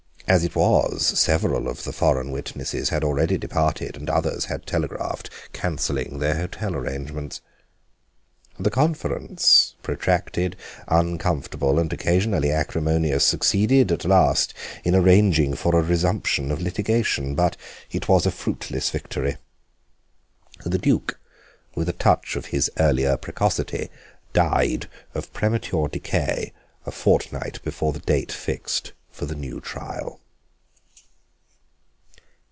As it was, several of the foreign witnesses had already departed and others had telegraphed cancelling their hotel arrangements. The conference, protracted, uncomfortable, and occasionally acrimonious, succeeded at last in arranging for a resumption of litigation, but it was a fruitless victory. The Duke, with a touch of his earlier precocity, died of premature decay a fortnight before the date fixed for the new trial.